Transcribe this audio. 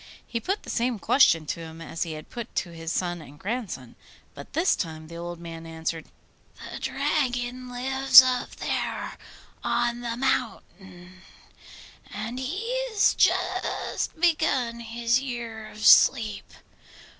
He put the same question to him as he had put to his son and grandson; but this time the old man answered, 'The Dragon lives up there on the mountain, and he has just begun his year of sleep.